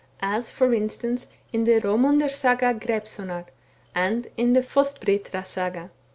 as, for instance, in the Hromundar Saga Greypsonar, and in the Fostbrae^ra Saga.